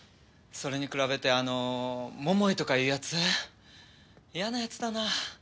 それに比べてあの桃井とかいうやつ嫌なやつだな。